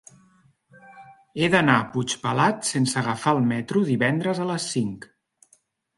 He d'anar a Puigpelat sense agafar el metro divendres a les cinc.